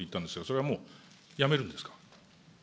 それはもうやめるんですか。